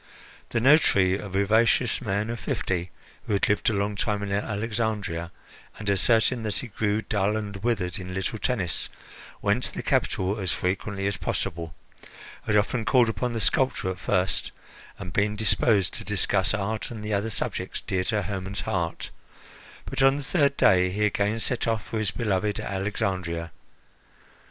The notary, a vivacious man of fifty, who had lived a long time in Alexandria and, asserting that he grew dull and withered in little Tennis, went to the capital as frequently as possible, had often called upon the sculptor at first, and been disposed to discuss art and the other subjects dear to Hermon's heart, but on the third day he again set off for his beloved Alexandria.